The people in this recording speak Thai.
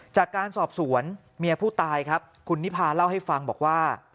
จากการสอบสวนเมียผู้ตายครับคุณนิพาเล่าให้ฟังบอกว่า